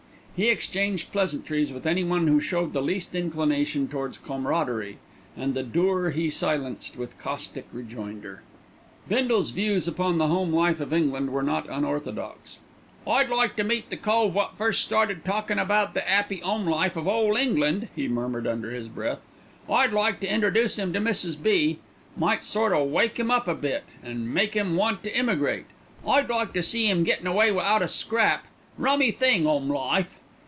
He exchanged pleasantries with anyone who showed the least inclination towards camaraderie, and the dour he silenced with caustic rejoinder. Bindle's views upon the home life of England were not orthodox. "I'd like to meet the cove wot first started talkin' about the ''appy 'ome life of ole England,'" he murmured under his breath. "I'd like to introduce 'im to Mrs. B. Might sort o' wake 'im up a bit, an' make 'im want t' emigrate. I'd like to see 'im gettin' away wi'out a scrap. Rummy thing, 'ome life."